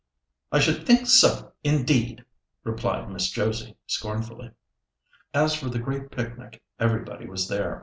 "I should think so, indeed," replied Miss Josie, scornfully. As for the great picnic, everybody was there.